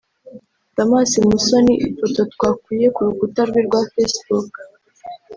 Damas Musoni / Ifoto twakuye ku rukuta rwe rwa facebook